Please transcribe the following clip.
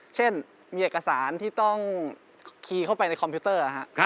เช่นมีเอกสารที่ต้องคีย์เข้าไปในคอมพิวเตอร์